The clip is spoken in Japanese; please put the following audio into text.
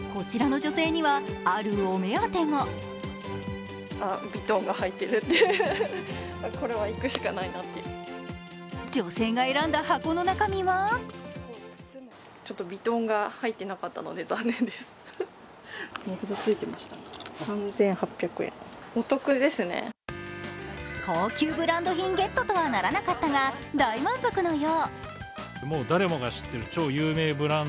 女性が選んだ箱の中身は高級ブランド品ゲットとはならなかったが大満足のよう。